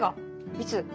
いつ？